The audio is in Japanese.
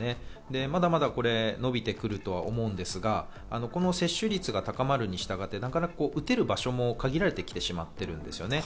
まだまだ伸びてくると思うんですが、この接種率が高まるに従って、打てる場所も限られてきてしまっているんです。